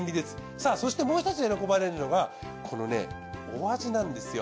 さあそしてもうひとつ喜ばれるのがこのねお味なんですよ。